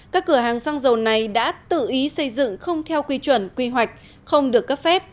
các cửa hàng xăng dầu này đã tự ý xây dựng không theo quy chuẩn quy hoạch không được cấp phép